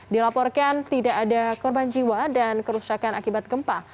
dilaporkan tidak ada korban jiwa dan kerusakan akibat gempa